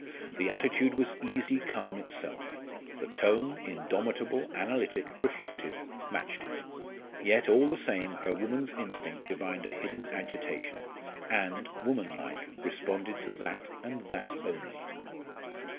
The attitude was easy calm itself. The tone indomitable, analytic, reflective matched it. Yet, all the same, her woman's instinct divined a hidden agitation, and, woman like, responded to that and that only.